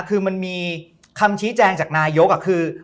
คือมันมีคำชี้แจงจากนายกคือ